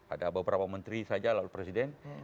ada beberapa menteri saja lalu presiden